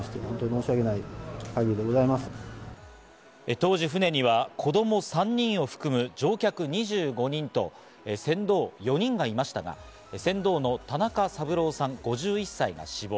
当時、船には子供３人を含む乗客２５人と、船頭４人がいましたが、船頭の田中三郎さん、５１歳が死亡。